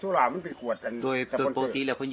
หาโมงปักเต็มหาโมง